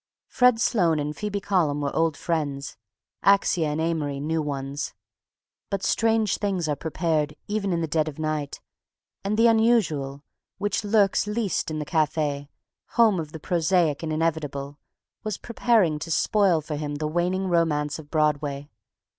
Fred Sloane and Phoebe Column were old friends; Axia and Amory new ones. But strange things are prepared even in the dead of night, and the unusual, which lurks least in the cafe, home of the prosaic and inevitable, was preparing to spoil for him the waning romance of Broadway.